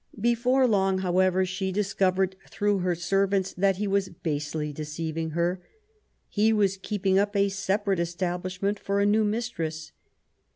Before long, however, she discovered through her servants that he was basely deceiving her. He was keeping up a separate esta blishment for a new mistress.